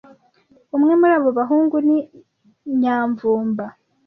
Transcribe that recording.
Umwe muri abo bahungu ni Nyamvumba.